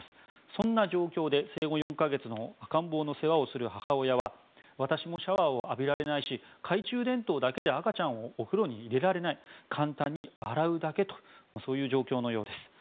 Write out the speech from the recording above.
そんな状況で、生後４か月の赤ん坊の世話をする母親は私もシャワーを浴びられないし懐中電灯だけで赤ちゃんをお風呂に入れられない簡単に洗うだけとそういう状況のようです。